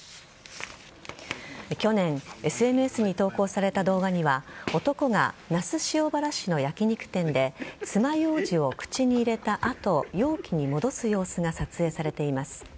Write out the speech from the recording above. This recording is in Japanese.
去年ＳＮＳに投稿された動画には男が那須塩原市の焼き肉店でつまようじを口に入れた後容器に戻す様子が撮影されています。